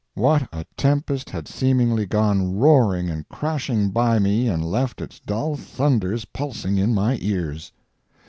What a tempest had seemingly gone roaring and crashing by me and left its dull thunders pulsing in my ears!